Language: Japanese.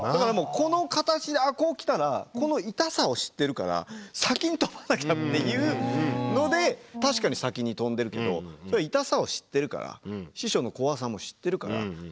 この形でこうきたらこの痛さを知ってるから先に跳ばなきゃっていうので確かに先に跳んでるけどそれは痛さを知ってるから師匠の怖さも知ってるから。